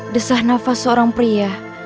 desah nafas seorang pria